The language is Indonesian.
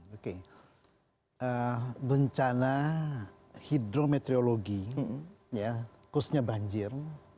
oke bencana hidrometeorologi ya khususnya banjir